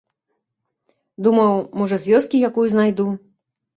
Думаў, можа, з вёскі якую знайду.